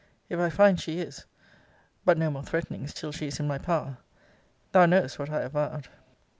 If I find she is but no more threatenings till she is in my power thou knowest what I have vowed.